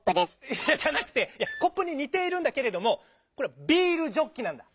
いやじゃなくてコップににているんだけれどもこれは「ビールジョッキ」なんだ。